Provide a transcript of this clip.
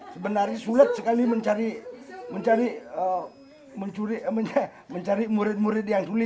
sebenarnya sulit sekali mencari murid murid yang sulit